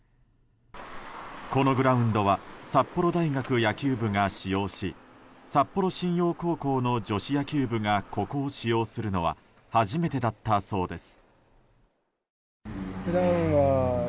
このグラウンドは札幌大学野球部が使用し札幌新陽高校の女子野球部がここを使用するのは初めてだったそうです。